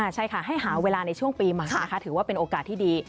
ใช่ค่ะให้หาเวลาในช่วงปีใหม่นะคะถือว่าเป็นโอกาสที่ดี